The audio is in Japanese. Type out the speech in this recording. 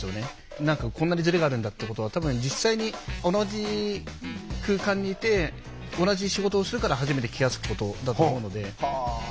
何かこんなにズレがあるんだっていうことは多分実際に同じ空間にいて同じ仕事をするから初めて気が付くことだと思うので。